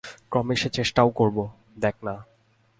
ক্রমে সে চেষ্টাও করব, দেখ না।